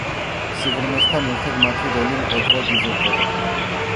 სიღრმესთან ერთად მათი როლი მკვეთრად იზრდება.